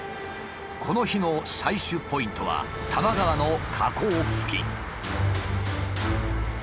この日の採取ポイントは多摩川の河口付近。